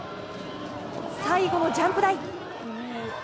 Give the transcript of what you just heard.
最後のジャンプ台。